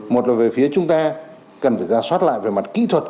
một là về phía chúng ta cần phải ra soát lại về mặt kỹ thuật